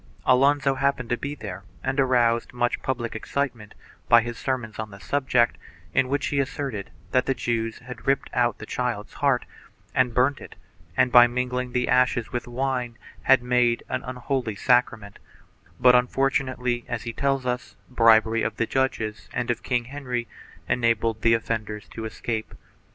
Alonso happened to be there and aroused much public excitement by his sermons on the subject, in which he asserted that the Jews had ripped out the child's heart, had burnt it and, by mingling the ashes with wine, had made an unholy sacrament, but unfortunately, as he tells us, bribery of the judges and of King Henry enabled the offenders to escape.